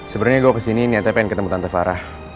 sebenarnya gue kesini niatnya pengen ketemu tante farah